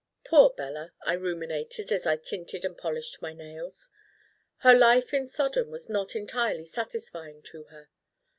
Poor Bella, I ruminated as I tinted and polished my nails. Her life in Sodom was not entirely satisfying to her.